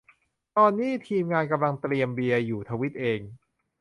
ตอนนี้ทีมงานกำลังเตรียมเบียร์อยู่ ทวีตเอง